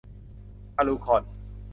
อลูคอน